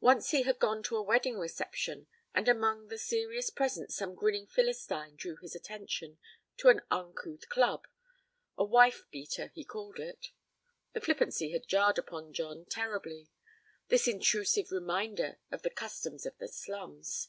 Once he had gone to a wedding reception, and among the serious presents some grinning Philistine drew his attention to an uncouth club 'a wife beater' he called it. The flippancy had jarred upon John terribly: this intrusive reminder of the customs of the slums.